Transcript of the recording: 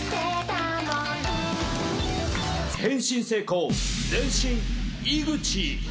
「変身成功全身井口」。